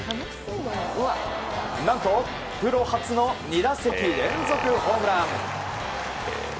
何とプロ初の２打席連続ホームラン。